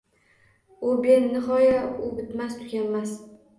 U benihoya, u bitmas-tuganmas